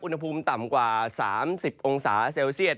อุณหภูมิสบายนะครับอุณหภูมิต่ำกว่า๓๐องศาเซลเซียต